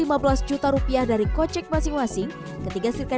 mulaiar sk arenaia mereka pasti tekrar yakin jamin hidup yang sempurna